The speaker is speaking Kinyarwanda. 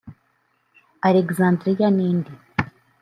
Alexandria n’indi